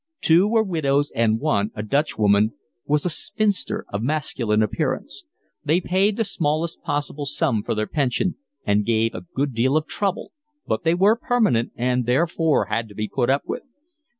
Two were widows, and one, a Dutchwoman, was a spinster of masculine appearance; they paid the smallest possible sum for their pension, and gave a good deal of trouble, but they were permanent and therefore had to be put up with.